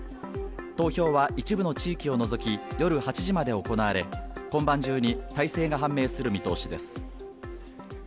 投票は一部の地域を除き、夜８時まで行われ、今晩中に大勢が判明する見通しです。